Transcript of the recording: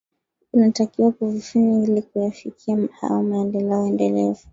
inatakiwa kuvifanya ili kuyafikia hayo maendeleo endelevu